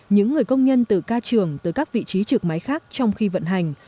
những người công nhân từ ca trường tới các vị trí trực máy khác trong khi vận hành